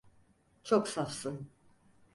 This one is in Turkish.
Çok safsın.